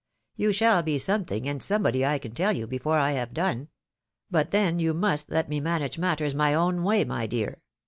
You shall be something, and somebody, I can tell you, before I have done. But then you must let me manage matters my own way, my dear.